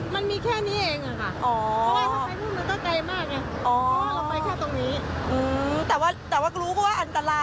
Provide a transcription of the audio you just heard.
มันก็หนึ่งมันก็ใช่มันก็สะดวกเพราะว่าถ้าเราไปตรงนู้นมันก็ไกลอ่ะ